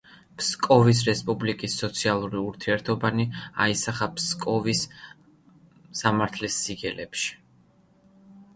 ფსკოვის რესპუბლიკის სოციალური ურთიერთობანი აისახა ფსკოვის სამართლის სიგელში.